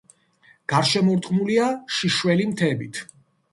გარშემორტყმულია შიშველი მთებით.